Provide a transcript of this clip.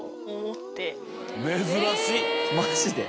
マジで？